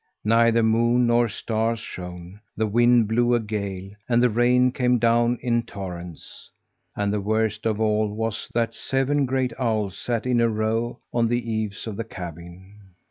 Neither moon nor stars shone; the wind blew a gale, and the rain came down in torrents. And the worst of all was that seven great owls sat in a row on the eaves of the cabin.